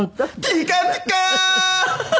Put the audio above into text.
ピカピカ！